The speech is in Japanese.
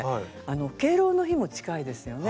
敬老の日も近いですよね。